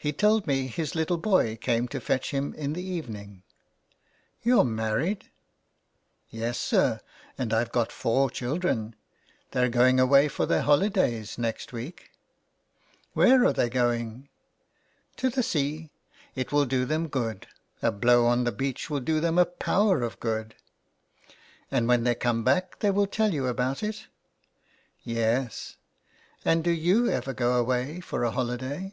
He told me his little boy came to fetch him in the evening. "You're married ?"'' Yes, sir, and Pve got four children. They're going away for their holidays next week.'' " Where are they going ?"" To the sea. It will do them good ; a blow on the beach will do them a power of good." 276 ALMS GIVING. " And when they come back they will tell you about it ?" "Yes." " And do you ever go away for a holiday